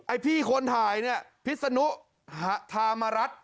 ไอ้พี่คนถ่ายนี่พิศนุธามารัฐ